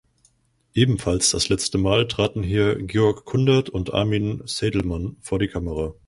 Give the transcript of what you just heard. Ebenfalls das letzte Mal traten hier Georg Kundert und Armin Seydelmann vor die Kamera.